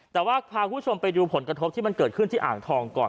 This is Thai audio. แต่ว่าพาคุณผู้ชมไปดูผลกระทบที่มันเกิดขึ้นที่อ่างทองก่อน